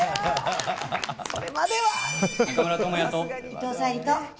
伊藤沙莉と。